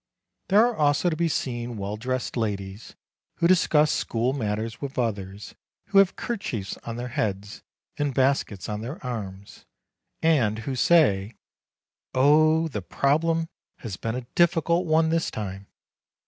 There are also to be seen well dressed ladies, who discuss school matters with others who have kerchiefs on their heads, and baskets on their arms, and who say: "Oh ! the problem has been a difficult one this time."